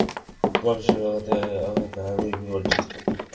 মানসিক আঘাতে আঘাতে আমি বিপর্যস্ত।